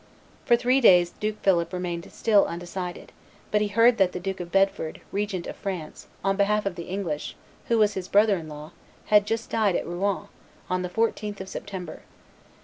For three days Duke Philip remained still undecided; but he heard that the Duke of Bedford, regent of France on behalf of the English, who was his brother in law, had just died at Rouen, on the 14th of September.